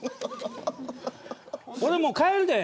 俺、もう帰るで。